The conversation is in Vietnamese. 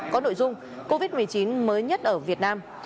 có nội dung covid một mươi chín mới nhất ở việt nam